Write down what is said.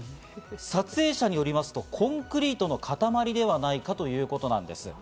撮影者によりますと、コンクリートの塊ではないかということなんです。